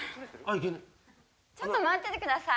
ちょっと待っててください。